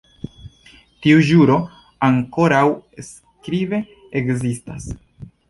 Tiu ĵuro ankoraŭ skribe ekzistas.